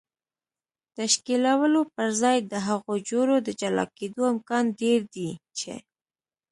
تشکیلولو پر ځای د هغو جوړو د جلا کېدو امکان ډېر دی چې